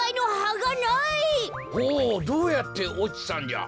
ほうどうやっておちたんじゃ。